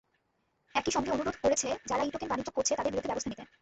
একই সঙ্গে অনুরোধ করেছে, যারা ই-টোকেন বাণিজ্য করছে, তাদের বিরুদ্ধে ব্যবস্থা নিতে।